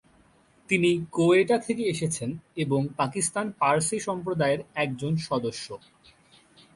তিনি কোয়েটা থেকে এসেছেন এবং পাকিস্তান পারসি সম্প্রদায় এর একজন সদস্য।